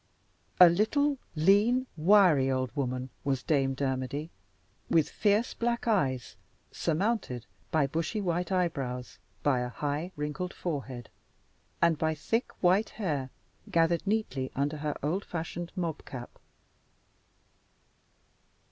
A little, lean, wiry old woman was Dame Dermody with fierce black eyes, surmounted by bushy white eyebrows, by a high wrinkled forehead, and by thick white hair gathered neatly under her old fashioned "mob cap."